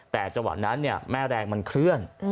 แต่จังหวะนั้นแม่แรงมันเคลื่อน